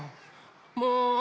もう！